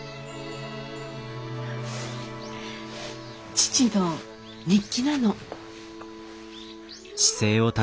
父の日記なの。